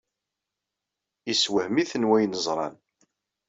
Yessewhem-iten wayen i ẓran.